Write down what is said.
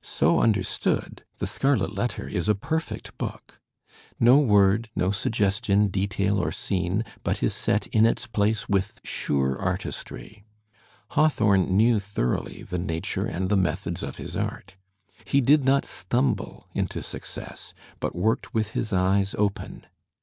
So understood, "The Scarlet Letter" is a perfect book. No word, no suggestion, detail or scene, but is set in its place with sure artistry. Hawthorne knew thoroughly the nature and the methods of his art. He did not stumble into success, but worked with his eyes open.